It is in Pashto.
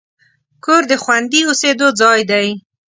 کور د خوندي اوسېدو ځای دی.